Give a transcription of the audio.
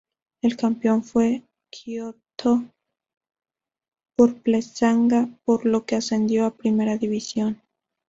El campeón fue Kyoto Purple Sanga, por lo que ascendió a Primera División.